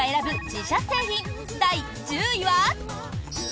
自社製品第１０位は。